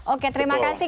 oke terima kasih